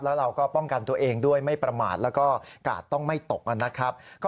แล้วเราก็ป้องกันตัวเองไม่ประมาทและก็กาศต้องไม่ตก